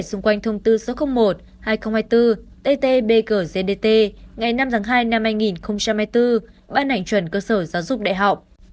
xung quanh thông tư số một hai nghìn hai mươi bốn tt bg gdt ngày năm hai hai nghìn hai mươi bốn bàn hành chuẩn cơ sở giáo dục đại học